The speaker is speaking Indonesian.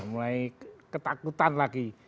mulai ketakutan lagi